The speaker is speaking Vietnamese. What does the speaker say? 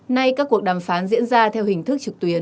nay các cuộc đàm phán diễn ra theo hình thức trực tuyến